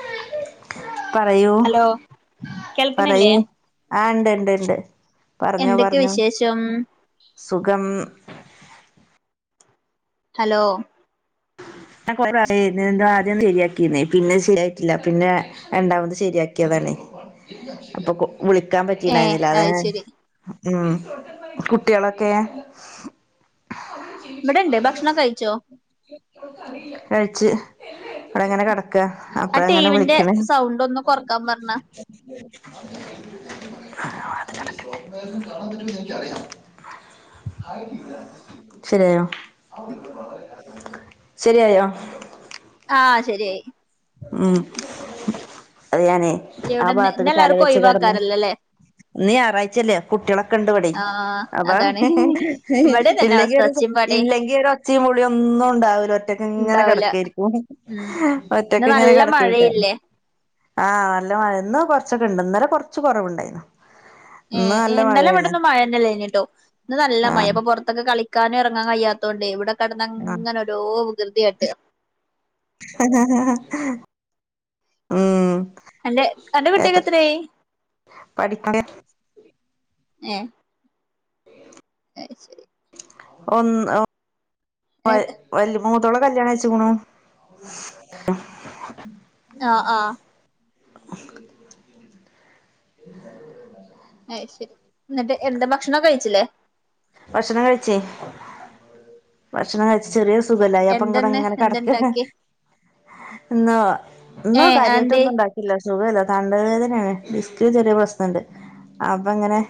[inaudible] പറയൂ ഹലോ കേൾക്കണില്ലേ പറയൂ ആഹ ഇണ്ട് ഇണ്ട് ഇണ്ട് പറഞ്ഞോ എന്തൊക്കെ പറഞ്ഞോ വിശേഷം സുഖം ഹലോ ന്ത ആദ്യം ശരിയാക്കിന്നേ പിന്നെ ശരിയായിട്ടില്ല പിന്നെ രണ്ടാമത് ശരിയാക്കിയത അപ്പൊ വിളിക്കാൻ ഏ പറ്റിണ്ടായിരുന്നില്ല അതെ അത് ശരി ഉം കുട്ടികളൊക്കെ ഇവിടണ്ട്േ ഭക്ഷണം കഴിച്ചോ കഴിച്ച് അവിടെ എങ്ങനെ കിട ക്ക ആ അപ്പഴ അങ്ങനെ ടീവിന്റെ വിളിക്കണ സൗണ്ട് ഒന്ന് കൊറക്കാൻ പറഞ്ഞ [unintelligible] ശരിയാണ് ശരിയായോ ആ ശരിയായി ഉം അത് ഞാന് ആ എവിടെന്ന് ഇന്ന് ഭാഗത്തക്ക് തല എല്ലാർക്കും വെച്ച് കിടന്ന് ഒഴിവാക്കാറല്ലല്ലേ ഇന്ന് ഞായറാഴ്ചല്ലേ കുട്ടികളൊക്കെ ഇണ്ട് ഇവിടെ ആഹ് അപ്പ അതാണ് ഇവിടെ തന്നെ ഇല്ലെങ്കി അവസ്ഥ ഒരു ഒച്ചയും പാടേം ഇല്ലെങ്കി ഒര് ഒച്ചയും വിളിയും ഒന്നും ഉണ്ടാവൂല ഒറ്റക്ക് ഇങ്ങനെ ഉണ്ടാവൂല കിടക്കായിരിക്കും ഉം ഇന്ന് ഒറ്റക്ക് ഇങ്ങനെ നല്ല കിടക്കേക്കാ മഴയില്ലേ ആ നല്ല മഴ ഇന്ന് കൊറച്ചൊക്കെ ഇണ്ട് ഇന്നലെ കൊറച്ച് കൊറവുണ്ടായിരുന്നു ഉം ഇന്ന് നല്ല ഇന്നല മഴയാണ് അവിടന്നും മഴ ഇല്ലേഞ്ഞിട്ടോ ഇന്ന് നല്ല മഴ ആഹ് അപ്പൊ പുറത്തൊക്കെ കളിക്ക ളിക്കാനും ഇറങ്ങാൻ കഴിയാത്തോണ്ട് ഇവിടെ ആഹ് കിടന്നങ്ങനെ ഒരോ വികൃതിയട്ട് ഉം എന്റെ എന്റെ കുട്ടിയക്കെ എത്ര എത്രയായി പഠിക്കണ ഏ അത് ശരി ഒന്ന് വല മൂത്തോള കല്യാണം കഴിച്ചിക്കണ് ആഹ് ആഹ് അത് ശരി എന്നിട്ട് എന്താ ഭക്ഷണോ കഴിച്ചില്ലേ ഭക്ഷണം കഴിച്ചേ ഭക്ഷണം കഴിച്ച് ചെറിയ സുഖലായ അപ്പ ഇവിടെ എന്തന്ന് ഇങ്ങനെ കിടക്ക എന്തണ്ടാക്കി എന്നാ ഇന്ന് ഏഹ് അതെന്തേ കാര്യമായിട്ടൊന്നും ഉണ്ടാക്കില്ല സുഖല്ല തണ്ട വേദനയാണ് ഡിസ്ക്ന് ചെറിയ പ്രശ്നംണ്ട് അപ്പൊ ഇങ്ങനെ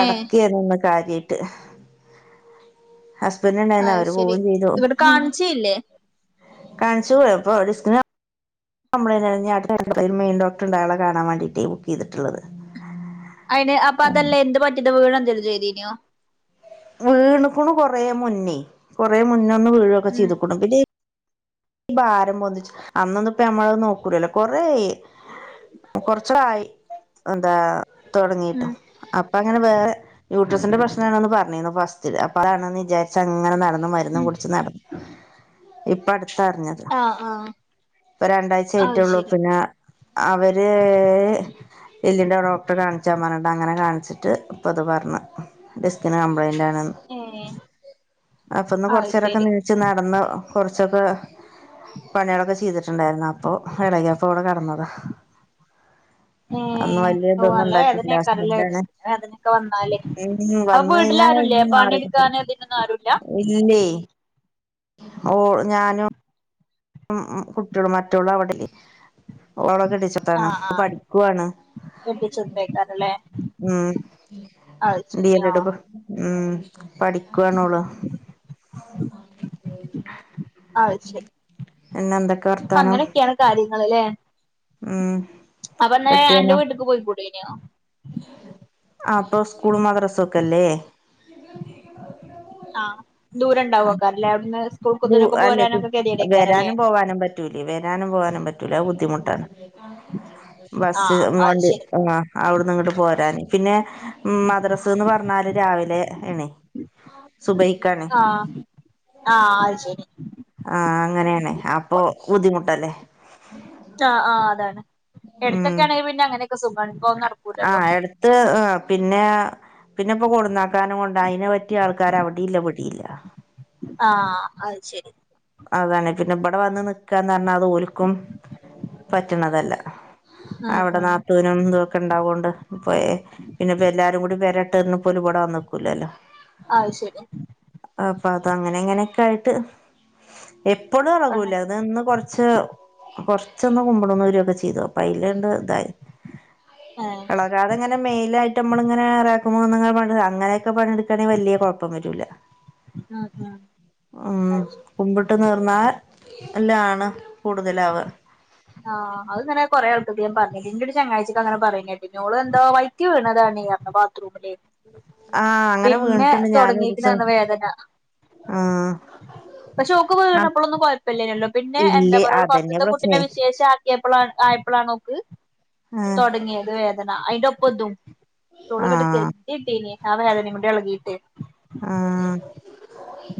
ഏഹ് കാര്യയിട്ട് ഹസ്ബൻഡ് ഉണ്ടായിരുന്നു അത് അവര് ശരി പോവയും ചെയ്തു ഇവിടെ കാണിച്ചേയില്ലേ കാണിച്ചു [unintelligible] കംപ്ലയിന്റ് ആരുന്നു മെയിൻ ഡോക്ടർണ്ടായാളെ കാണൻ വേണ്ടിയിട്ട് ബുക്ക് ചെയ്തിട്ടുള്ളത് അയിന് അപ്പൊ അതെല്ലാം എന്ത് പറ്റിയത് വീണ എന്തെങ്കിലും ചെയ്തീനയോ വീണുക്കുണ് കൊറ മുന്നേ കൊറേ മുന്നൊന്ന് വീണൊക്കെ ഉം ചെയ്തുക്കണു പിന്നെ ഈ ഭാരം പൊന്തിച്ചു അന്നൊന്നപ്പ നമ്മള് നോക്കൂലല്ല കൊറ ആയി കൊറച്ചായി എന്താ ഉം തുടങ്ങിട്ടും അപ്പ അങ്ങനെ വേറെ യൂട്രസിന്റെ പ്രശ്നാണന്ന് പറഞ്ഞിന്നു ഫസ്റ്ററ്റ് അപ്പൊ അതാണെന്ന് വിചാരിച്ചങ്ങനെനടന്നു മരുന്നും ഉം കുടിച്ച് നടന്നു ഇപ്പ അടു അടുത്ത അറിഞ്ഞത് ആഹ് ആഹ് ഇപ്പൊ രണ്ടാഴ്ച അത് ആയിട്ടള്ളു ശരി പിന്നെ അവര് എല്ലിന്റെ ഡോക്ടർ കാണിച്ചാ പറഞ്ഞിട്ട അങ്ങനെ കാണിച്ചിട്ട് ഇപ്പൊ ഇത് പറഞ്ഞ ഡെസ്കിന് കംപ്ലയിന്റണ് ഏഹ് അപ്പൊന്ന് അത് കൊറച്ച നേരൊക്കെ ശരി നീച്ച് നടന്ന കൊറച്ചൊക്കെ പണികളൊക്കെ ചെയ്തിട്ടുണ്ടായിരുന്നു അപ്പൊ ഇളകിയപ്പ ഇവിടെ കടന്നതാ അന്ന് ഏഹ് വല്യ ഓ ഇതൊന്നും നല്ല ഉണ്ടാക്കില്ല [unintelligible] വേദനേക്കാരല്ലേ അന്താണ് വേദനൊക്കെ വന്നാല് ഉ അപ്പൊ വന്ന് വീട്ടില് ആരുല്ലേ കഴിഞ്ഞാൽ പണിയെടുക്കാന് ഇതിനൊന്നും ആരുല്ല [inaudible] ഇല്ല ഓ ഞാനും കുട്ടികള് മറ്റോള് അവിടെ അല്ലെ കെട്ടിച്ചിട്ടാണ് ആഹ് അപ്പ ആഹ് പഠിക്കുവാണ് കെട്ടിച്ചോട്ത്തേക്കാരല്ലേ ഉം അത് ശരി ആഹ് [unintelligible] ഉം പഠിക്കവാണോളു ആ ശരി പിന്നെ എന്തൊക്കെ വർത്താനം [unintelligible] ല്ലേ ഉമ് അപന്നെ അന്റെ വീട്ടിലേക്ക് പോയ്‌ കൂടായിനോ ആ അപ്പൊ സ്കൂൾ മദ്രസയൊക്കെയില്ലേ ആ ദൂരം ഉണ്ടാവകാരും അല്ലേ അവിടുന്ന് സ്കൂൾക്ക് ഇതിനൊക്കെ അല്ലെ പോരാനൊക്കെ ഗതികേടേക്കാരല്ലേ വരാനും പോകാനും പറ്റൂലേ വരാനും പോകാനും പറ്റൂല അത് ബുദ്ധിമുട്ടാണ് ബസ് ആഹ് അത് മെണ്ടി ശരി ആഹ് അവിടുന്ന് ഇങ്ങോട്ട് പോരാന് പിന്നെ മദ്രസ്ന്ന് പറഞ്ഞാല് രാവിലെ ആണേ സുബയ്ക്കാണ് ആഹ് ആഹ് ശരി ആഹ് അങ്ങനെയണേ അപ്പൊ ബുദ്ധിമുട്ടല്ലേ ആഹ് ആഹ് അതാണ് ഉം എടുത്തൊക്കൊയാണെങ്കി പിന്നെ അങ്ങനെ ആഹ് എടുത്ത് ആഹ് പിന്നെ പിന്നെപ്പോ കൊണ്ടുന്നാക്കാനും കൊണ്ട അതിനെ പറ്റിയ ആൾക്കർ അവിടെ ഇല്ല ഇവിടെ ഇല്ല ആഹ് അത് ശെരി അതാണ് പിന്നെ ഇബടെ വന്ന് നിക്കാന്ന് പറഞ്ഞാൽ അത് ഒരുക്കും പറ്റണതല്ല ഉം അവിടെ ഉം നാത്തുവിനും ഇതു ഒക്കെ ഉണ്ടാവോണ്ട് ഇപ്പ പിന്നിപ്പൊ എല്ലാരും കൂടി വരട്ടെന്ന് ഓല് പടെ വന്നു നിക്കുലല്ലോ അത് ശരി അപ്പൊ അത് അങ്ങനെ എങ്ങനെയൊക്കെ ആയിട്ട് എപ്പോഴും അങ്ങനെ എറങ്ങുലാ അത് ഇന്ന് കുറച്ച് കൊറ ചൊന്നു കുമ്പിടൊന്നോരോക്കെ ചെയ്തു അപ്പ അയിൽ ഇണ്ടതായി ഏഹ് വളരാത ഇങ്ങനെ മെയിലായിട്ട് നമ്മള് ഇങ്ങന അങ്ങനെ ഒക്കെ പണിയെടുക്കെണെ വല്യ കുഴപ്പം വരുല്ല ഉം ഉം അത് ശരി ഉമ് ഇട്ട് നിർന്നാൽ എല്ലാണ് കൂടുതല് ആവുക ആഹ് അത്ങ്ങനെ കൊറെ ആൾക്ക് ഞാൻ പറഞ്ഞിട്ട്ണ്ട് ഇന്റെ ഒരു ചങ്ങായിക്ക് അങ്ങനെ പറയുന്ന കേട്ട് പിന്നെ ഓള് എന്തോ വൈറ്റി വീണതാണ് ബാത്‌റൂമിൽ ആഹ് അങ്ങനെ പിന്നെ വീണിട്ടുണ്ട് ഞാനൊരീസം തുടങ്ങിയിരിക്കുന്നാണ് വേദന ആ പക്ഷെ ഓക്ക് ആഹ് വീണപ്പോളോന്നും കുഴപ്പില്ലല്ലോ പിന്നെ എന്താ ഇല്ലേ പോ അതന്നെ ഫസ്റ്റ്ത്തെ കുട്ടിനെ പ്രശ്നേ വിശേഷം ആക്കിയപ്പൾ ആണ് ആയപ്പോൾ ആണ് ഓക്ക്‌ ആഹ് തോടങ്ങിയത് വേദന പോതും [unintelligible] തല ആഹ് മുടി ഇളഗിട്ട് ആഹ്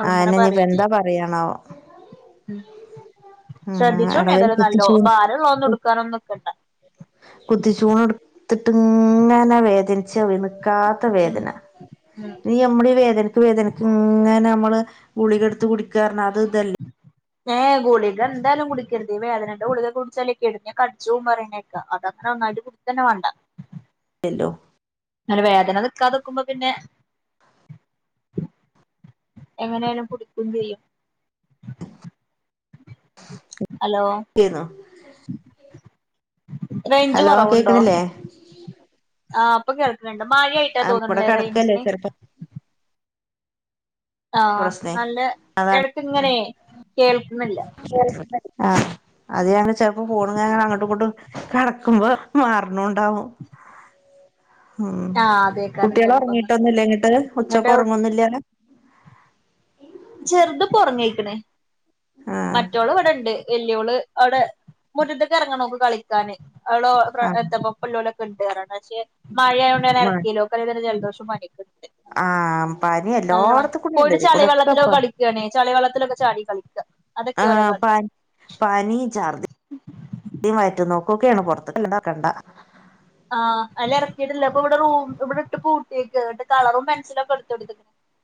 ഓളിങ്ങനെ അയന്നെ ഇനിയിപ്പ പറയിനി എന്താ പറയാണാവോ ഉമ് ആഹ് ശ്രദ്ധിച്ചുകോണ്ട് എടവൽ യെതായലും നല്ലോ ഭാരം ഒള്ള ഒന്നും എടുക്കാനൊന്നും നിക്കണ്ട കുത്തി ചൂണ് എടുത്തിട്ട് ഇങ്ങാനാ വേദനിച്ചു അവിടന്ന് കാത്ത ഉം വേദന ഉം ഇ നമ്മടെ വേദനയ്ക്ക് വേദനക്ക് ഇങ്ങനെ നമ്മ ഗുളികെടുത്ത് കുടിക്കാറ് അത് ഇതല്ലേ ഏഹ് ഗുളികാ എന്തായാലും കുടിക്കരുത് വേദനയുടെ ഗുളികെ കുടിച്ചാലക്കെ കിഡ്നി ഒക്കെ അടിച്ചു പോം പറയണ കേക്കാം അതാണ് നന്നായി ട്ട് കുടിക്ക തന്നെ വേണ്ട ഹലോ അങ്ങെനെ വേദന നിക്കാതെ ആകുമ്പോ പിന്നെ എങ്ങനെയാണ് കൂടിക്കും ചെയ്യും ഹലോ ന്നു റേഞ്ച് ഹലോ കൊറവുണ്ടോ കേക്കണില്ലേ ആഹ് ഇപ്പൊ കേൾക്കുന്നുണ്ട് മഴ ആയിട്ടാന്ന് ഇവിടെ തോന്നണല്ലേ കിടക്കല്ലേ റേഞ്ചിന് ചെലപ്പോ ആ പ്രശ്നേ നല്ല അതാണ് ഇടക്ക് ഇങ്ങനെ ആഹ് അത് കാരണം ചിലപ്പോ ഫോൺ ഇങ്ങനെ അങ്ങോട്ടും ഇങ്ങോട്ടും കട ക്കുമ്പോ മാറണോണ്ടാവും ഉമ് ആഹ് അതേക്കാരം കുട്ടികൾ ചെലപ്പോന്ന് ഉറങ്ങിട്ടൊന്നുംല്ല ഇങ്ങിട്ട് ഉച്ചക് ഒന്നും എന്നിട്ട് ഉറങ്ങൊന്നു ഇല്ല്യല്ലോ ചെറുത് [unintelligible] കഴിക്കണ് ആഹ് മറ്റോള് ഇവിടെ ഇണ്ട് വല്യോള് അവിടെ മുറ്റത്തേക്ക് ഇറങ്ങണം ഓക്ക്‌ കളിക്കാന് അവള് എന്ത ഇറങ്ങന് പക്ഷെ മഴയായകൊണ്ട് ഞാൻ ഇറക്കില്ല ഓക്ക് ജലദോഷം പനി ഒക്കെ ഉണ്ട്‌ ആ പനി എല്ലായിടത്തും കൂടി ഉണ്ട് ഇതികൂടെ കളിക്കണേ ചളി വളള്ളത്തിലൊക്കെ ചാടി കളിക്കുക അതൊക്കെ ഓലെ കളി പാനീ ചർദി വയറ്റുപോകേക്കയാണ് പുറത്തക്ക് ഇറക്കണ്ട ആ അല്ല ഇറക്കിയിട്ടില്ല അപ്പൊ ഇവിടെ റൂം ഇവിടെ ഇട്ട് പൂട്ടത്തിയേക്ക എന്നിട്ട് കളറും പെൻസിലുക്കെ എടുത്തോടുത്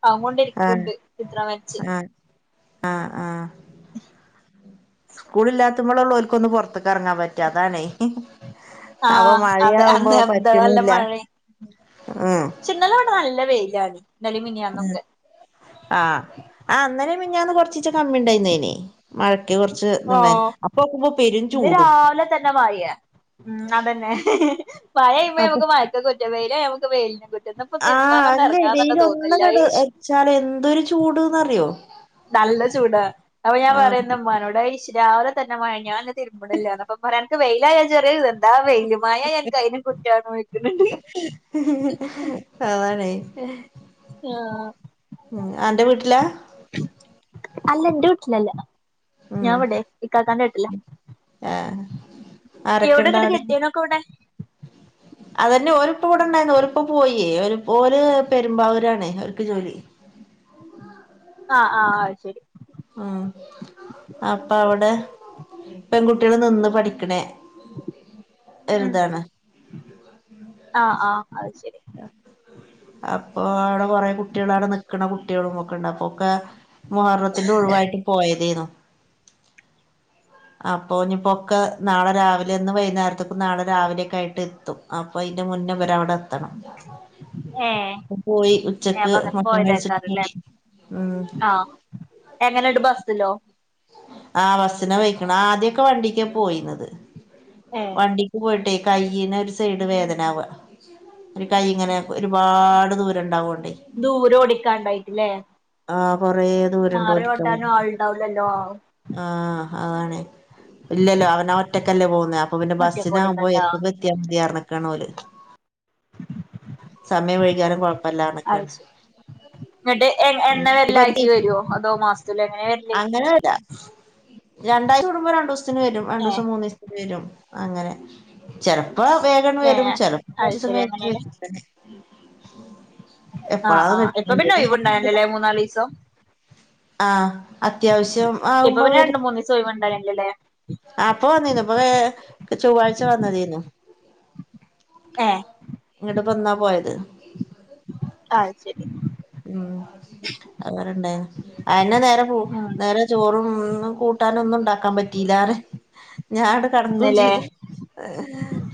അത് കൊണ്ട് ഇരിക്കുന്നുണ്ട് ചിത്രം വരച്ച് ആ ആ സ്കൂൾ ഇല്ലാത്തപ്പോള് ഉള്ളവർക്ക് ഒന്ന് പുറത്തക്ക് ഇറങ്ങാൻ പറ്റാ അതാണേ അപ്പൊ ആഹ് അതെ മഴയാകുമ്പോ അന്ന് എന്താ പറ്റുന്നില്ല ഉം ചിന്നലോണ നല്ല വെയിലാണ് ഇന്നലിം ഉം മിനിയാന്നൊക്കെ ആ അങ്ങനെ മിനാന്ന് കൊറച്ചച് കമ്മി ഉണ്ടായിരുന്നെന് മഴക്ക് കുറച്ച്ണ്ടർന്ന് ആഹ് അപ്പ ഇന്ന് രാവിലെ തന്നെ മാറിയേ ഉം അതന്നെ മഴ വെയുമ്പോ നമുക്ക് മഴക്ക കുറ്റം വെയിലയുമ്പോക് നമക്ക് വെയിലിനെ കുറ്റം ഇന്നിപ്പോ ആ തിരുമ്പാനൊന്നും അല്ലേ എറങ്ങാൻ തന്നെ വെയിൽ തോന്നില്ല ഒന്നകിട് അയ്ശ് അടച്ചാല് എന്തൊരു ചൂട്ന്നറിയോ നല്ല ചൂടാ അപ്പൊ ഞാൻ ആഹ് പറയുന്നഉമ്മാനോട് ആയിശ് രാവിലെ തന്നെ മഴ ഞാൻ തിരുബണിലാ അപ്പ പറയ അനക്ക് വെയിലായ ചെറിയ ഇ എന്താ വെയി അവാനെ ഏഹ് ഉം എന്റെ വീട്ടിലാ അല്ല എന്റെറെ വീട്ടിലല്ല ഉം ഞാൻ ഇവിടെ ഇകാക്കാന്റെ വീട്ടില ആരൊക്കെ ഇണ്ട് അവിടെ കെട്ടിയോനൊക്കെ ഇവിടെ അതന്നെ ഒരുപ്പ ഇവിടെണ്ടായിരുന്നു ഒരുപ്പ പോയി ഒരു പെരുമ്പാവൂരാണ് അവര്ക്ക് ജോലി [inaudible] അ അ അഹ് ശരി അഹ് അപ്പ അവിടെ പെൺകുട്ടികള് നിന്ന് പഠിക്കണേ ഉം ഒരിതാണ് അ അ അ അഹ് ശരി അപ്പൊ അവിടെ കൊറെ കുട്ടികൾ അവിടെ നിക്കണ കുട്ടികൾ ഒകെണ്ട് അപ്പൊക്കെ മുഹർറത്തിന്റെ ഒഴിവായിട്ട് പോയതേന്നു അപ്പൊ ഇനി പൊക്കെ നാളെ രാവിലെ ഇന്ന് വൈകുന്നേരത്തേക്കും നാളെ രാവിലെയൊക്കെ ആയിട്ട് എത്തും അപ്പൊ ന്റെ മുന്നേ ഇവർ അവിടെ എത്തണം ഏഹ് പോയി ഉച്ചക്ക് അപ്പൊ അങ്ങനെ മട്ടൺ കഴിച്ചിട്ട് പോയതേക്കാരല്ലേ പോയി മ് എങ്ങനെട് ബസ്സിലോ ആ ബിസിന പോയിക്കണ് ആദ്യൊക്കെ വണ്ടിക്ക പോയിന്നത് ഏഹ് വണ്ടിക്ക് പോയിട്ടേ കൈയിന ഒരു സൈഡ് വേദനവ ഒരു കൈ ഇങ്ങനെ ഒരുപാട് ദൂര ഉണ്ടാവ ദൂരം ഓടിക്കാണ്ടായിട്ടില്ലേ ആ കൊറേ ദൂരണ്ട് മാറി ഓടിക്കാൻ ഓട്ടാനും വേണ്ടി ആൾണ്ടാവലല്ലോ അണേ ഇല്ലല്ല അവന ഒറ്റക്കല്ലേ പൊന്നെ അപ്പോ പിന്നെ ഒറ്റക്ക് ബസിനാകുമ്പോ ഓടിക്കണ്ടാ [unintelligible] ഓല് സമയം വൈക്യലും കൊഴപ്പല്ല അത് ആണക്കാണ് ശരി എന്നിട്ട് എ എന്ന വെള്ളിയാഴ്ച വേരോ അതോ മാസത്തില് എങ്ങനെ വേരൽ ല രണ്ടാഴ്ച കൂടുമ്പോ രണ്ടു ദിവസത്തിന് വരും രണ്ടു ഏഹ് ദിവസം മൂന്ന് ദിവസത്തിന് വരും അങ്ങനെ ചെലപ്പോ വേഗണ് വെരും ഏഹ് ചെലപ്പോ അത് പർച്ചീസം ശരി കഴിഞ്ഞിട് അങ്ങനെയാണ് എപ്പോള ആഹ് ആഹ് ഇപ്പൊ പിന്നെ ഒഴിവുണ്ടായില്ലല്ലേ [unintelligible] മൂന്നാലീസം ആ അത്യാവശ്യം ഇപ്പൊ ആകുമ്പോ പിന്നെ രണ്ട വരും മൂന്ന് ദിവസോ ഒഴിവ് ഉണ്ടായില്ലേല്ലേ ആഹ് ഇപ്പൊ വന്നീന്നു ഇപ്പൊ ചൊവ്വാഴ്ച വന്നതേനു ഏഹ് ഇങ്ങട്ടപ്പ വന്നാ പോയത് അത് ശരി ഉം അവരുണ്ടെനു അന്നെ നേരെ ഉം നേരെ ചോറും കൂ കിട്ടാനൊന്നും ഉണ്ടാക്കാൻ പറ്റിയില്ലറെ ഞാൻ അവിടെ കടക്കുയും ഇന്നില്ലേ ചെയ്ത്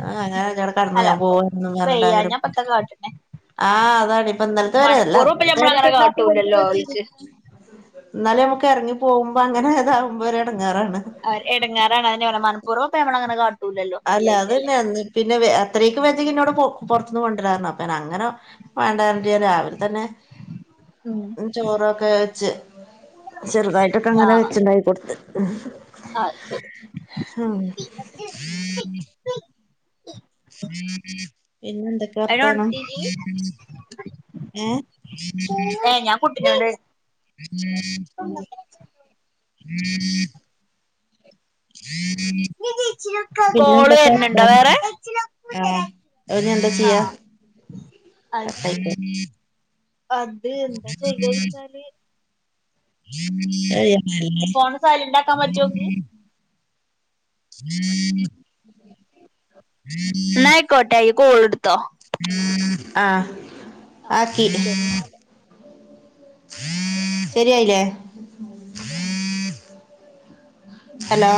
ആ അങ്ങന കടന്നു അല്ല ഞാൻ അപ്പൊ പോവാന്നും പറഞ്ഞിട്ട വയ്യാഞ്ഞാ ഇപ്പത്താ കാട്ട്ണെ ആ ആഹ് അതാണ് ഇപ്പ ഇന്നലത്തെ വരെ അല്ല മനപ്പൂർവ്വം ഇപ്പൊ ഇന്നലത്തെ ഞമ്മളങ്ങനെ വര്ണ്ടാക്കും കാട്ടൂലല്ലോ [unintelligible] ചെയ് ഓൽക്ക് എന്നാലേ നമുക്ക് ഇറങ്ങി പോകുമ്പോ അങ്ങനെ ഇതാവുബോ ഓരഡങേർ എടങ്ങാറാണ് അതിന് പറയു മനപ്പുർവ്വം അപ്പ നമ്മങ്ങനെ കാ അല്ല അത് തന്നെയാണ് അന്ന് പിന്നെ അത്രക്ക് വതി എന്നോട് പുറത്ത നിന്ന് കൊണ്ടിരിരുന്നു അപ്പ അങ്ങനെ വേണ്ട പറഞ്ഞിട്ട് രാവില തന്നെ ചോറൊക്കെ വെച്ച് ചെറുതായിട്ടൊക്കെ അങ്ങനെ വെച്ചിണ്ടാക്കി കൊടുത്ത് ആ അത് ശരി [inaudible] [unintelligible] പിന്നെ എന്തൊക്കെയാ വർത്താനം അയിനൊണത്തീനി ഏ പുട്ടിനോട് ഉം [inaudible] പിന്നെ കോള് എന്തൊക്കെ വരുന്നുണ്ടോ വർത്താനം വേറെ ആഹ് അതിനി എന്താ ചെയ്യാ ആഹ് അത് കട്ട് ആയി ശരി പോയി അത് എന്താ ചെയ്യാന്ന് വെച്ചാല് ഫോണ് സൈലന്റാക്കാൻ പറ്റോക്ക്? [unintelligible] എന്ന ആയികോട്ടോ നീ കാൾ എടുത്തോ ആ ആഹ് ആക്കി ശരി ന്നാല് ശരിയായില്ലേ ഹലോ